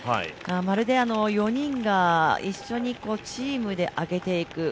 まるで４人が一緒にチームで上げていく。